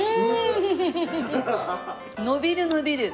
伸びる伸びる。